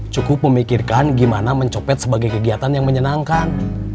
cukup memikirkan gimana mencopet sebagai kegiatan yang menyenangkan